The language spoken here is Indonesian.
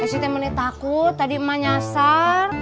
eh si temennya takut tadi emang nyesar